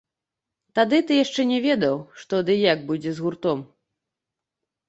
Тады ты яшчэ не ведаў, што ды як будзе з гуртом.